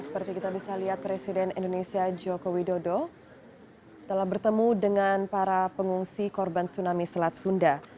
seperti kita bisa lihat presiden indonesia joko widodo telah bertemu dengan para pengungsi korban tsunami selat sunda